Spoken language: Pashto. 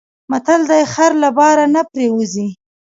متل دی: خر له بار نه پرېوځي.